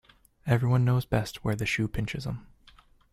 Every one knows best where the shoe pinches him.